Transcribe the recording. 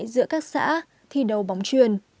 giữa các xã thì đầu bóng truyền